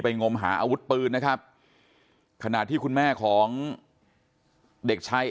งมหาอาวุธปืนนะครับขณะที่คุณแม่ของเด็กชาย